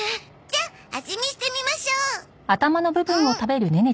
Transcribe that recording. じゃあ味見してみましょう！